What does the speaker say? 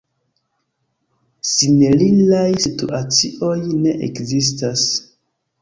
Seneliraj situacioj ne ekzistas.